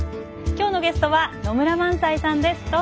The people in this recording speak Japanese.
今日のゲストは野村萬斎さんです。